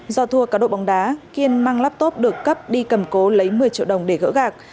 do thua cá độ bóng đá kiên mang laptop được cấp đi cầm cố lấy một mươi triệu đồng để gỡ gạc